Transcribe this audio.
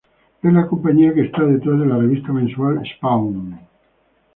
Es la compañía que está detrás de la revista mensual Spawn.